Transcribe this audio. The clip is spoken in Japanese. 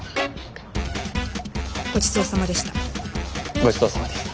ごちそうさまでした。